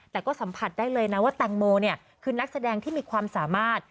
แต่ก็สัมผัสได้เลยนะว่าแตงโมเนี่ยคือนักแสดงที่มีความสามารถ